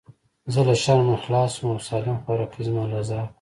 زه له شرمه خلاص سوم او سالم خواركى زما له عذابه.